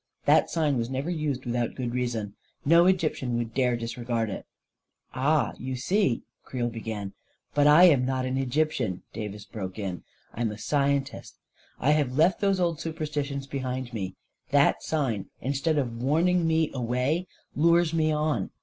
That sign was never used without good reason. No Egyptian would dare disregard it." " Ah, you see," Creel began. " But I am not an Egyptian," Davis broke in. A KING IN BABYLON 249 " Pm a scientist — I have left those old supersti tions behind me. That sign, instead of warning me away, lures me on.